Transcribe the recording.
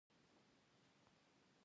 ځکه چې دوي پۀ خپل کلام کښې